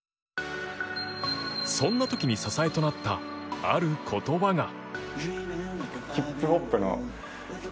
そんな時に支えとなったある言葉が。